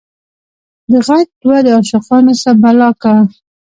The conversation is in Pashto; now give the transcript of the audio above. دغچ دود دعاشقانو څه بلا کا